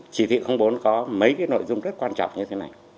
chỉ thị bốn có mấy cái nội dung rất quan trọng như thế này